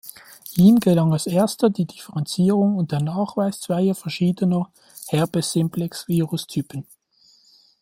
Ihm gelang als erster die Differenzierung und der Nachweis zweier verschiedener Herpes-simplex-Virus-Typen.